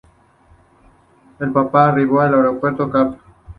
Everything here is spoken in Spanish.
El papa arribó al aeropuerto Cap.